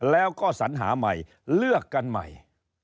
แล้วก็สัญหาใหม่เลือกกันใหม่